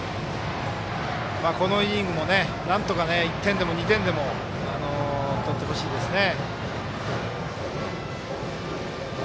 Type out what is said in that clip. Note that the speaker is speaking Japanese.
このイニングもなんとか、１点でも２点でも取ってほしいですね。